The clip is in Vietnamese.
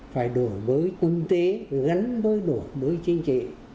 phải đổi với công tế gắn đối đổi với chính trị